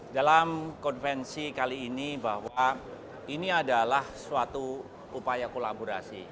dalam konvensi kali ini bahwa ini adalah suatu upaya kolaborasi